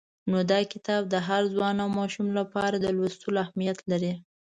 نو دا کتاب د هر ځوان او ماشوم لپاره د لوستلو اهمیت لري.